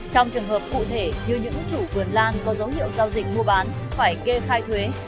trong trường hợp cụ thể như những chủ vườn lan có dấu hiệu giao dịch mua bán phải kê khai thuế